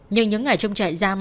nhưng những ngày trong trại giam